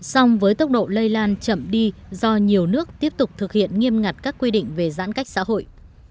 song với tốc độ lây lan chậm đi do nhiều nước tiếp tục thực hiện nghiêm ngặt các quy định về giãn cách xã hội